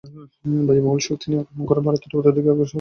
বায়ু প্রবল শক্তি নিয়ে ক্রমশ ভারতের উত্তরের দিকে অগ্রসর হতে শুরু করে।